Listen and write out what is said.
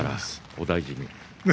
お大事に。